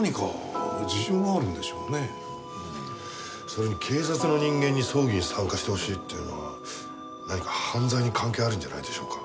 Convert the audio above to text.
それに警察の人間に葬儀に参加してほしいっていうのは何か犯罪に関係あるんじゃないでしょうか。